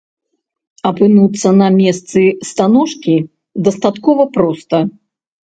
Апынуцца на месцы станожкі дастаткова проста.